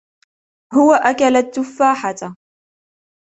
هو أكل التفاحة.